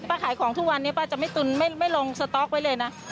ป้าขายของทุกวันนี้ป้าจะไม่ลงสต๊อกไว้เลยนะ